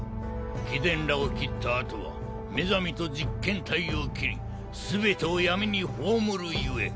貴殿らを斬ったあとはメザミと実験体を斬り全てを闇に葬るゆえ。